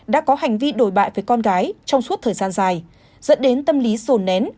đã có hành vi đổi bại với con gái trong suốt thời gian dài dẫn đến tâm lý rồn nén